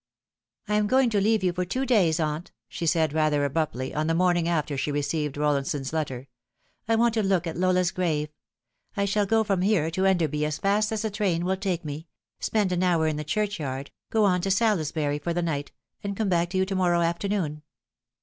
" I am going to leave you for two days, aunt," she said rather abruptly, on the morning after she received Rolh'nson's letter. " I want to look at Lola's grave. I shall go from here to Enderby as fast as the train will take me ; spend au hour in the churchyard ; go on to Salisbury for the night ; and come back to you to morrow afternoon."